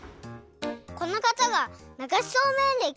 このかたがながしそうめんれき